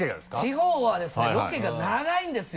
地方はですねロケが長いんですよ。